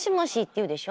言うでしょ？